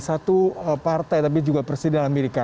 satu partai tapi juga presiden amerika